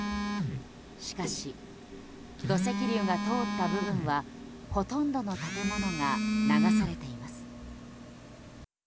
しかし、土石流が通った部分はほとんどの建物が流されています。